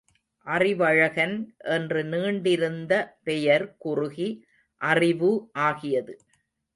அறிவழகன் என்று நீண்டிருந்த பெயர் குறுகி அறிவு ஆகியது.